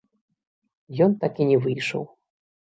Ён так і не выйшаў.